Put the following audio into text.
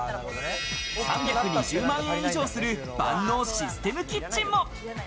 ３２０万円以上する万能システムキッチンも。